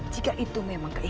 jika itu memang kalian